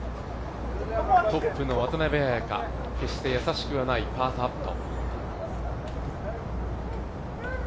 トップの渡邉彩香、決して易しくないパーパット。